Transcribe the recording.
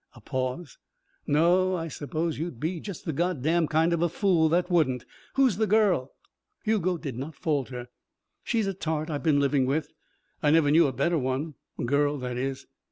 A pause. "No, I suppose you'd be just the God damned kind of a fool that wouldn't. Who's the girl?" Hugo did not falter. "She's a tart I've been living with. I never knew a better one girl, that is."